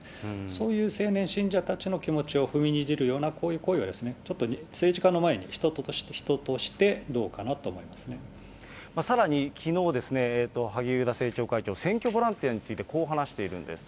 そういう青年信者たちの気持ちを踏みにじるようなこういう行為は、ちょっと政治家の前に、人としてさらにきのう、萩生田政調会長、選挙ボランティアについて、こう話しているんです。